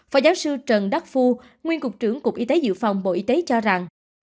phó giáo sư trần đắc phu nguyên cục trưởng cục y tế dự phòng bộ y tế cho rằng